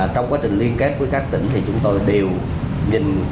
trong quá trình liên kết với các tỉnh thì chúng tôi đều nhìn